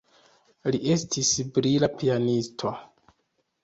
Li estis brila pianisto.